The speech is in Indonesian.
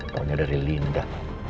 pokoknya dari linda